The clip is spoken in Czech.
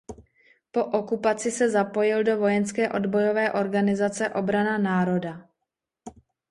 Po okupaci se zapojil do vojenské odbojové organizace Obrana národa.